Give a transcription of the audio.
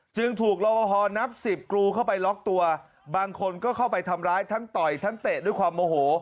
จึงถูกรอบพอนับสิบกรูเข้าไปล็อกตัวบางคนก็เข้าไปทำร้ายทั้งต่อยทั้งเตะด้วยความโมโห